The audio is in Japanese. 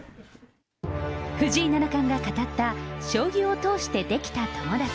藤井七冠が語った、将棋を通してできた友達。